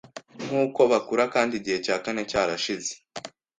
Nkuko bakura Kandi Igihe cya kane cyarashize